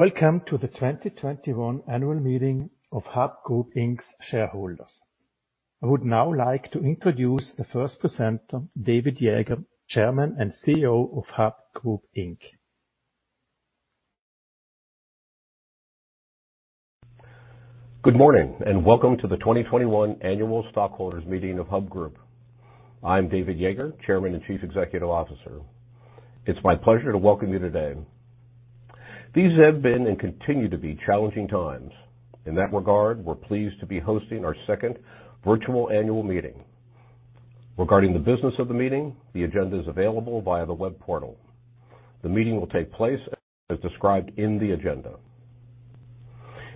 Welcome to the 2021 annual meeting of Hub Group, Inc. shareholders. I would now like to introduce the first presenter, David Yeager, Chairman and CEO of Hub Group, Inc. Good morning, welcome to the 2021 annual stockholders meeting of Hub Group. I'm David Yeager, Chairman and Chief Executive Officer. It's my pleasure to welcome you today. These have been, and continue to be, challenging times. In that regard, we're pleased to be hosting our second virtual annual meeting. Regarding the business of the meeting, the agenda is available via the web portal. The meeting will take place as described in the agenda.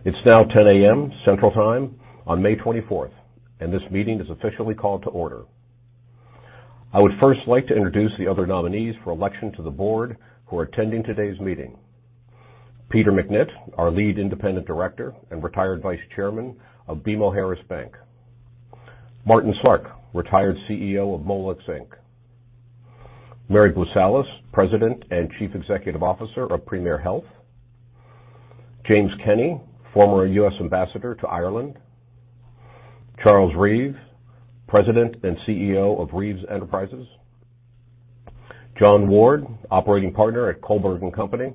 It's now 10:00 AM Central Time on May 24th, this meeting is officially called to order. I would first like to introduce the other nominees for election to the board who are attending today's meeting. Peter McNitt, our Lead Independent Director and retired Vice Chairman of BMO Harris Bank. Martin Slark, retired CEO of Molex Inc. Mary Boosalis, President and Chief Executive Officer of Premier Health. James Kenny, former U.S. Ambassador to Ireland. Charles Reaves, President and CEO of Reaves Enterprises. Jonathan Ward, Operating Partner at Kohlberg & Company,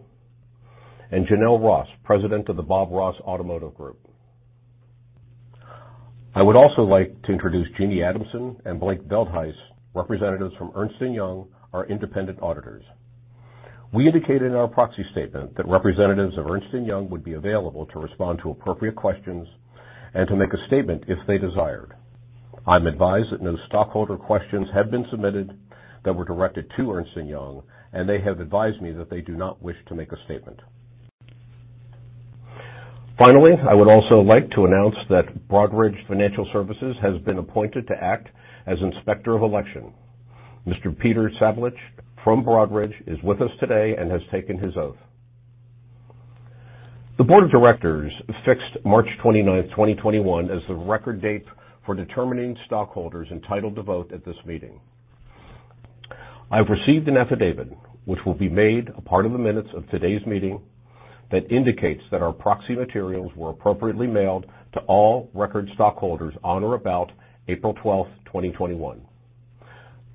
and Jenell Ross, President of the Bob Ross Automotive Group. I would also like to introduce Jeanne Adamson and Blake Veldhuis, representatives from Ernst & Young, our independent auditors. We indicated in our proxy statement that representatives of Ernst & Young would be available to respond to appropriate questions and to make a statement if they desired. I'm advised that no stockholder questions have been submitted that were directed to Ernst & Young, and they have advised me that they do not wish to make a statement. Finally, I would also like to announce that Broadridge Financial Solutions has been appointed to act as Inspector of Election. Mr. Peter Savitch from Broadridge is with us today and has taken his oath. The Board of Directors fixed March 29th, 2021, as the record date for determining stockholders entitled to vote at this meeting. I've received an affidavit, which will be made a part of the minutes of today's meeting, that indicates that our proxy materials were appropriately mailed to all record stockholders on or about April 12th, 2021.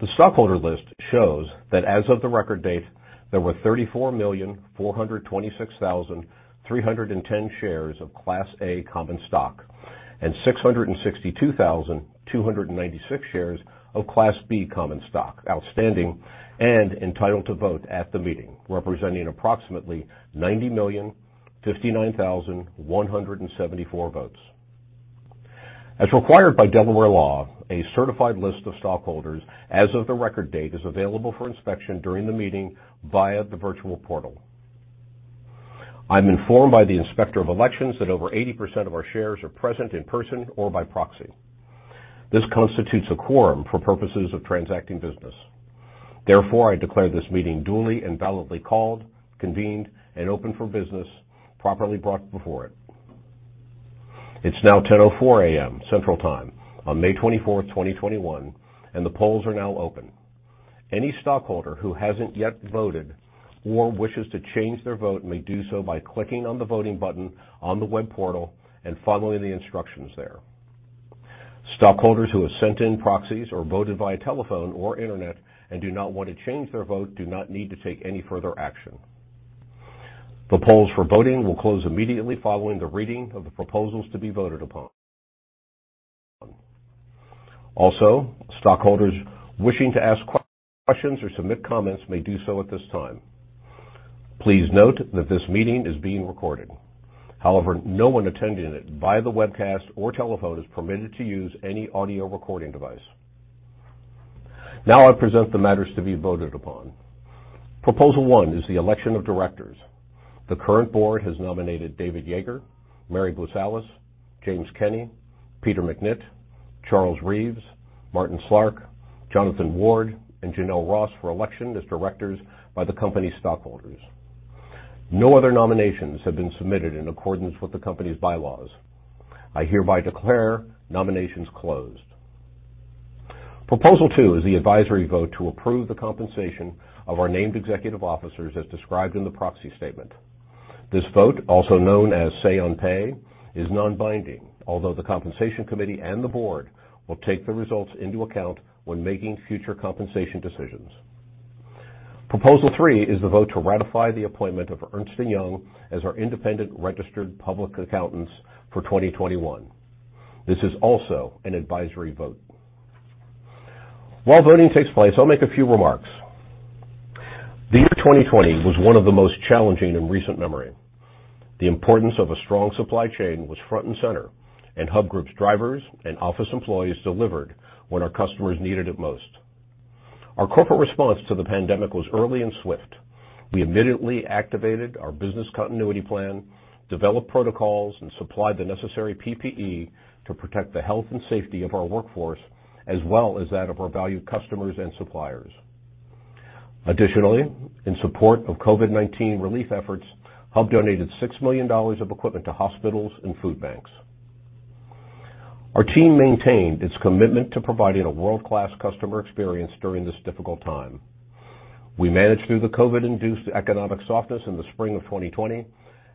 The stockholder list shows that as of the record date, there were 34,426,310 shares of Class A Common Stock and 662,296 shares of Class B Common Stock outstanding and entitled to vote at the meeting, representing approximately 90,059,174 votes. As required by Delaware law, a certified list of stockholders as of the record date is available for inspection during the meeting via the virtual portal. I'm informed by the Inspector of Elections that over 80% of our shares are present in person or by proxy. This constitutes a quorum for purposes of transacting business. Therefore, I declare this meeting duly and validly called, convened, and open for business, properly brought before it. It's now 10:04 AM Central Time on May 24th, 2021, and the polls are now open. Any stockholder who hasn't yet voted or wishes to change their vote may do so by clicking on the voting button on the web portal and following the instructions there. Stockholders who have sent in proxies or voted via telephone or internet and do not want to change their vote do not need to take any further action. The polls for voting will close immediately following the reading of the proposals to be voted upon. Also, stockholders wishing to ask questions or submit comments may do so at this time. Please note that this meeting is being recorded. However, no one attending it by the webcast or telephone is permitted to use any audio recording device. Now I present the matters to be voted upon. Proposal one is the election of directors. The current board has nominated David Yeager, Mary Boosalis, James Kenny, Peter McNitt, Charles Reaves, Martin Slark, Jonathan Ward, and Jenell Ross for election as directors by the company stockholders. No other nominations have been submitted in accordance with the company's bylaws. I hereby declare nominations closed. Proposal two is the advisory vote to approve the compensation of our named executive officers as described in the proxy statement. This vote, also known as say on pay, is non-binding, although the Compensation Committee and the board will take the results into account when making future compensation decisions. Proposal three is the vote to ratify the appointment of Ernst & Young LLP as our independent registered public accountants for 2021. This is also an advisory vote. While voting takes place, I'll make a few remarks. The year 2020 was one of the most challenging in recent memory. The importance of a strong supply chain was front and center, and Hub Group's drivers and office employees delivered when our customers needed it most. Our corporate response to the pandemic was early and swift. We immediately activated our business continuity plan, developed protocols, and supplied the necessary PPE to protect the health and safety of our workforce, as well as that of our valued customers and suppliers. Additionally, in support of COVID-19 relief efforts, Hub donated $6 million of equipment to hospitals and food banks. Our team maintained its commitment to providing a world-class customer experience during this difficult time. We managed through the COVID-induced economic softness in the spring of 2020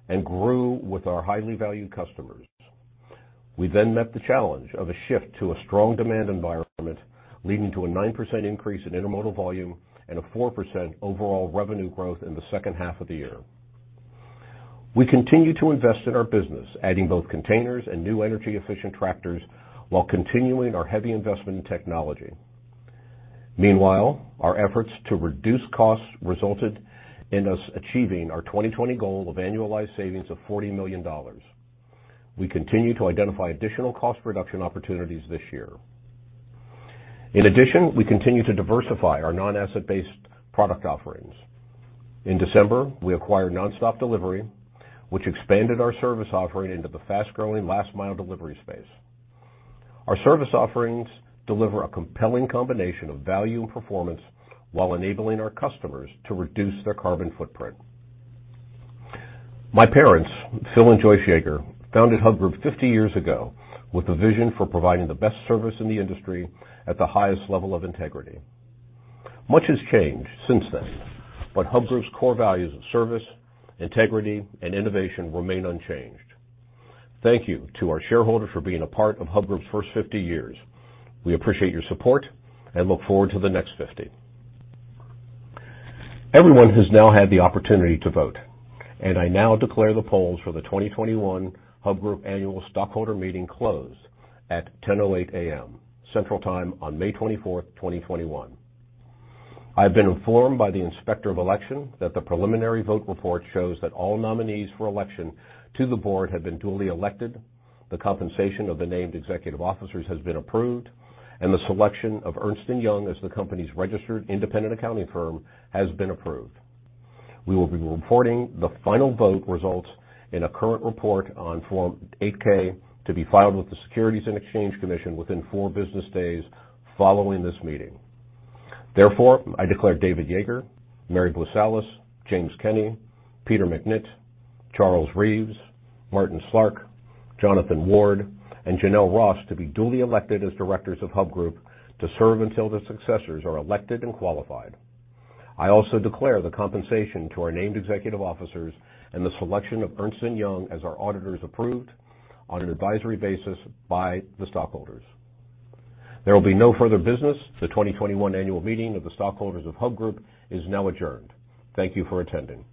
and grew with our highly valued customers. We met the challenge of a shift to a strong demand environment, leading to a 9% increase in intermodal volume and a 4% overall revenue growth in the second half of the year. We continued to invest in our business, adding both containers and new energy-efficient tractors while continuing our heavy investment in technology. Meanwhile, our efforts to reduce costs resulted in us achieving our 2020 goal of annualized savings of $40 million. We continue to identify additional cost reduction opportunities this year. We continue to diversify our non-asset-based product offerings. In December, we acquired NonstopDelivery, which expanded our service offering into the fast-growing last-mile delivery space. Our service offerings deliver a compelling combination of value and performance while enabling our customers to reduce their carbon footprint. My parents, Phil and Joyce Yeager, founded Hub Group 50 years ago with a vision for providing the best service in the industry at the highest level of integrity. Much has changed since then, but Hub Group's core values of service, integrity, and innovation remain unchanged. Thank you to our shareholders for being a part of Hub Group's first 50 years. We appreciate your support and look forward to the next 50. Everyone has now had the opportunity to vote, and I now declare the polls for the 2021 Hub Group Annual Stockholder Meeting closed at 10:08 A.M. Central Time on May 24th, 2021. I've been informed by the Inspector of Election that the preliminary vote report shows that all nominees for election to the board have been duly elected, the compensation of the named executive officers has been approved, and the selection of Ernst & Young as the company's registered independent accounting firm has been approved. We will be reporting the final vote results in a current report on Form 8-K to be filed with the Securities and Exchange Commission within four business days following this meeting. I declare David Yeager, Mary Boosalis, James Kenny, Peter McNitt, Charles Reaves, Martin Slark, Jonathan Ward, and Jenell Ross to be duly elected as directors of Hub Group to serve until the successors are elected and qualified. I also declare the compensation to our named executive officers and the selection of Ernst & Young as our auditors approved on an advisory basis by the stockholders. There will be no further business. The 2021 annual meeting of the stockholders of Hub Group is now adjourned. Thank you for attending.